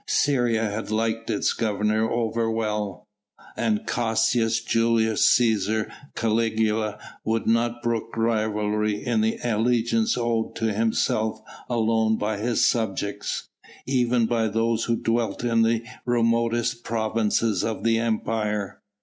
Syria had liked its governor over well, and Caius Julius Cæsar Caligula would not brook rivalry in the allegiance owed to himself alone by his subjects even by those who dwelt in the remotest provinces of the Empire.